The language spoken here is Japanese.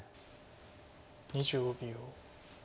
２５秒。